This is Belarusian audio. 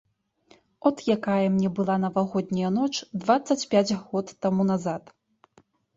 От якая мне была навагодняя ноч дваццаць пяць год таму назад.